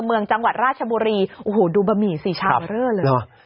เมืองจังหวัดราชบุรีดูบะหมี่สีชาวเยอะเลย